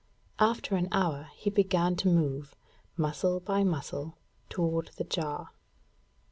After an hour he began to move, muscle by muscle, toward the jar.